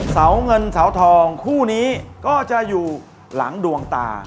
เสาเงินเสาทองคู่นี้ก็จะอยู่หลังดวงตา